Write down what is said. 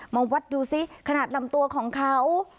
มาวัดดูซิขนาดลำตัวของเขา